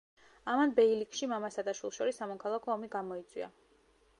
ამან ბეილიქში მამასა და შვილს შორის სამოქალაქო ომი გამოიწვია.